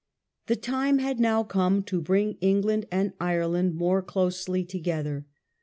The time had now come to bring England and Ireland more closely together.